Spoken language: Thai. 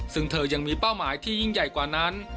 ซึ่งเธอยังมีเป้าหมายที่ยิ่งใหญ่กว่านั้น